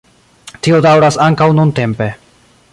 Tio daŭras ankaŭ nuntempe.